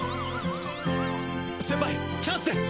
先輩チャンスです！